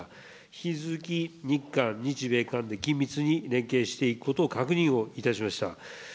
引き続き日韓、日米韓で緊密に連携していくことを確認をいたしました。